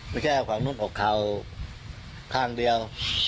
ไม่ใช่เอาข้างนู้นออกเข้าข้างเดียว